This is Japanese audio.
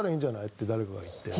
って誰かが言って。